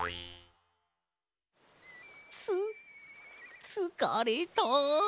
つつかれた。